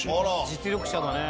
実力者だね。